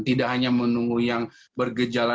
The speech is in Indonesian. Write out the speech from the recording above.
tidak hanya menunggu yang bergejala